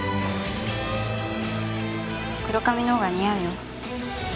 黒髪のほうが似合うよ。